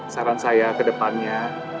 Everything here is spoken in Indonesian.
saran saya ke depannya